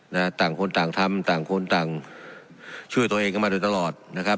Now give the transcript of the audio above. ต่างคนต่างทำต่างคนต่างช่วยตัวเองกันมาโดยตลอดนะครับ